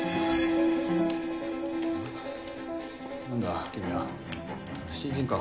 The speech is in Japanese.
何だ君は新人か？